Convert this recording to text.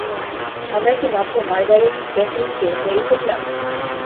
আমরা কি মাত্র মার্গারেট ক্যাহিলকে মেরে ফেললাম?